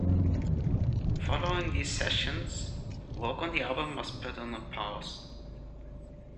Following these sessions, work on the album was put on a pause.